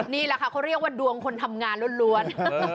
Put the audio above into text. นี่แหละค่ะเขาเรียกว่าดวงคนทำงานล้วน